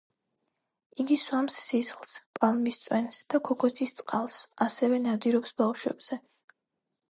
იგი სვამს სისხლს, პალმის წვენს და ქოქოსის წყალს; ასევე, ნადირობს ბავშვებზე.